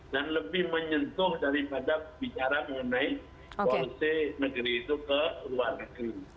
dan lebih menyentuh daripada bicara mengenai polisi negeri itu ke luar negeri